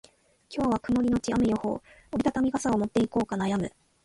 今日は曇りのち雨予報。折り畳み傘を持っていこうか悩む。